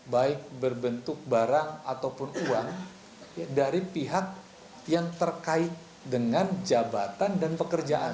baik berbentuk barang ataupun uang dari pihak yang terkait dengan jabatan dan pekerjaan